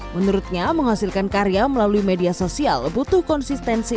menurutnya menghasilkan karya melalui media sosial butuh konsistensi